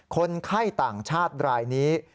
คนไข้ต่างชาติรายนี้